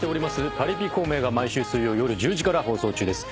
『パリピ孔明』が毎週水曜夜１０時から放送中です。